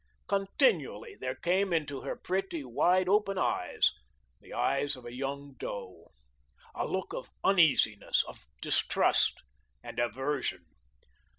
Continually there came into her pretty, wide open eyes the eyes of a young doe a look of uneasiness, of distrust, and aversion.